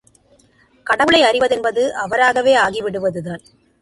கடவுளை அறிவதென்பது அவராகவே ஆகிவிடுவதுதான்.